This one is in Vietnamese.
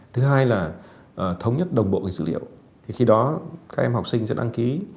thứ hai là thống nhất đồng bộ dữ liệu thì khi đó các em học sinh sẽ đăng ký